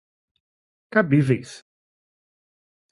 cabíveis